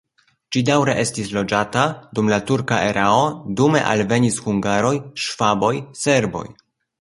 Ĝi daŭre estis loĝata dum la turka erao, dume alvenis hungaroj, ŝvaboj, serboj.